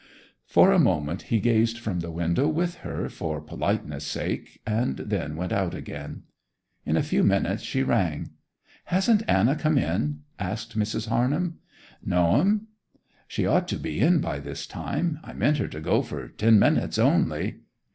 For a moment he gazed from the window with her, for politeness sake, and then went out again. In a few minutes she rang. 'Hasn't Anna come in?' asked Mrs. Harnham. 'No m'm.' 'She ought to be in by this time. I meant her to go for ten minutes only.